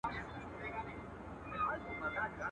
چي لیک دي د جانان کوڅې ته نه دی رسېدلی..